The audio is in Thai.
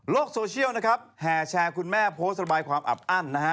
โลกโซเชียลแห่แชร์คุณแม่โพสต์ระบายความอับอั้น